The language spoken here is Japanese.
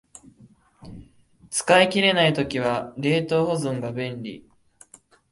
使い切れない時は冷凍保存が便利